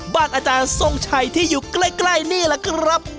อาจารย์ทรงชัยที่อยู่ใกล้นี่แหละครับ